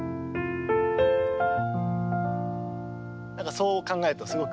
そう考えるとすごく。